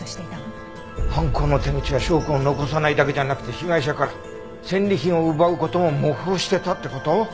犯行の手口や証拠を残さないだけじゃなくて被害者から戦利品を奪う事も模倣してたって事？